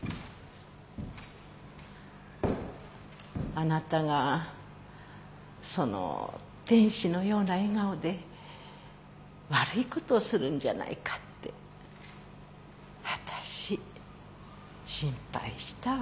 あなたがその天使のような笑顔で悪いことをするんじゃないかってわたし心配したわ。